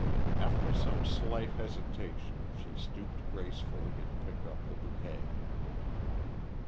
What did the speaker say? After some slight hesitation she stooped gracefully and picked up the bouquet.